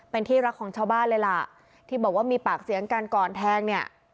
เป็นที่รักของชาวบ้านเลยล่ะที่บอกว่ามีปากเสียงกันก่อนแทงเนี่ย